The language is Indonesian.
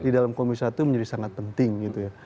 di dalam komisi satu menjadi sangat penting gitu ya